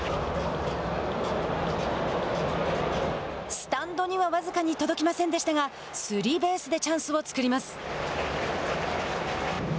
スタンドには僅かに届きませんでしたがスリーベースでチャンスを作ります。